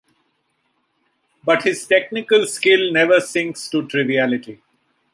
But his technical skill never sinks to triviality.